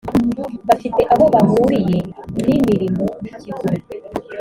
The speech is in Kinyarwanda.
bafite aho bahuriye n’imirimo y’ikigo